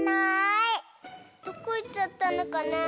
どこいっちゃったのかな？